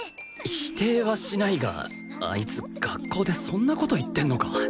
否定はしないがあいつ学校でそんな事言ってんのか？